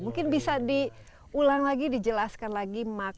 mungkin bisa diulang lagi dijelaskan lagi makna dan